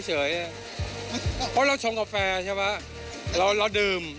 เพราะเราชมกาแฟเราดึม